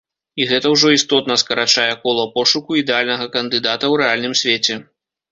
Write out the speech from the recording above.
І гэта ўжо істотна скарачае кола пошуку ідэальнага кандыдата ў рэальным свеце.